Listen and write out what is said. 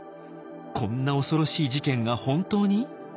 こんな恐ろしい事件が本当に？